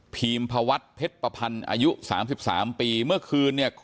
ีมพวัฒน์เพชรประพันธ์อายุ๓๓ปีเมื่อคืนเนี่ย